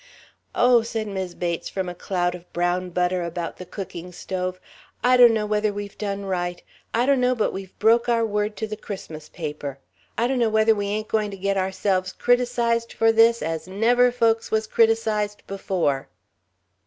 "Oh," said Mis' Bates from a cloud of brown butter about the cooking stove, "I donno whether we've done right. I donno but we've broke our word to the Christmas paper. I donno whether we ain't going to get ourselves criticized for this as never folks was criticized before."